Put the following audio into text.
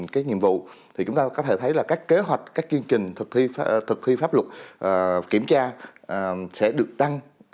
các nhiệm vụ thì chúng ta có thể thấy là các kế hoạch các chương trình thực thi pháp luật kiểm tra sẽ được tăng